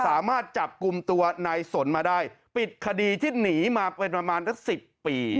สามารถจับกลุ่มตัวนายสนมาได้ปิดคดีที่หนีมาเป็นประมาณสัก๑๐ปี